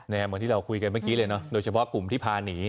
เหมือนที่เราคุยกันเมื่อกี้เลยเนอะโดยเฉพาะกลุ่มที่พาหนี